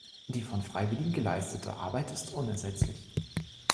Die von Freiwilligen geleistete Arbeit ist unersetzlich.